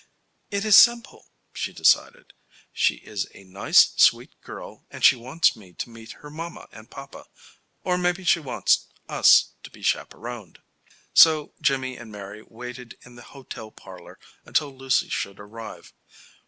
"It is simple," she decided. "She is a nice, sweet girl, and she wants me to meet her mama and papa. Or maybe she wants us to be chaperoned." So Jimmy and Mary waited in the hotel parlor until Lucy should arrive.